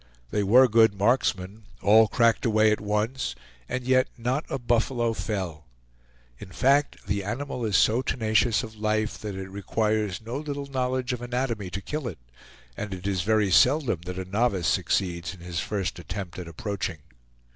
They were good marksmen; all cracked away at once, and yet not a buffalo fell. In fact, the animal is so tenacious of life that it requires no little knowledge of anatomy to kill it, and it is very seldom that a novice succeeds in his first attempt at approaching.